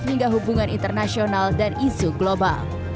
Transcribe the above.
hingga hubungan internasional dan isu global